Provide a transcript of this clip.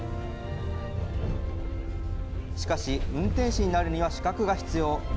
しかし、運転士になるには資格が必要。